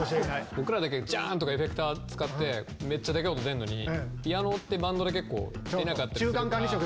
僕らだけジャーンとかエフェクター使ってめっちゃでかい音出んのにピアノってバンドで結構出なかったりするから。